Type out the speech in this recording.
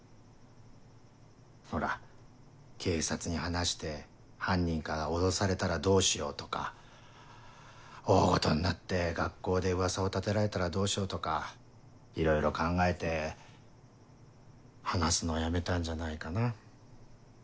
ほら警察に話して犯人から脅されたらどうしようとか大ごとになって学校で噂を立てられたらどうしようとかいろいろ考えて話すのをやめたんじゃないかな。